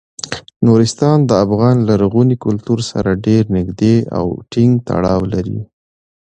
نورستان د افغان لرغوني کلتور سره ډیر نږدې او ټینګ تړاو لري.